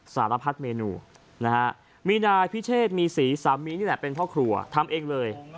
สารพัดเมนูนะฮะมีนายพิเชษมีศรีสามีนี่แหละเป็นพ่อครัวทำเองเลย